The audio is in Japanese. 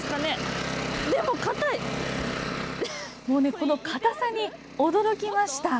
この固さに驚きました。